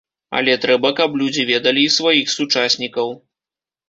Але трэба, каб людзі ведалі і сваіх сучаснікаў.